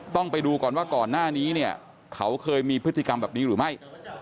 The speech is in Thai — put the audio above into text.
ต้องไปดูก่อนว่าก่อนหน้านี้เนี่ยเขาเคยมีพฤติกรรมแบบนี้หรือไม่